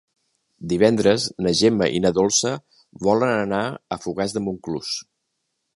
Divendres na Gemma i na Dolça volen anar a Fogars de Montclús.